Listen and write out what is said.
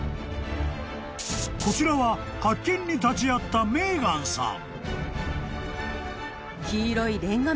［こちらは発見に立ち会ったメーガンさん］